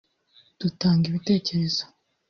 dutanga ibitekerezo